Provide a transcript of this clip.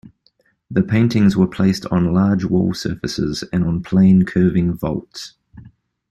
The paintings were placed on large wall surfaces and on plain, curving vaults.